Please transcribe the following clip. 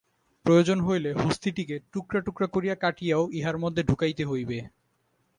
প্রয়োজন হইলে হস্তীটিকে টুকরা টুকরা করিয়া কাটিয়াও ইহার মধ্যে ঢুকাইতে হইবে।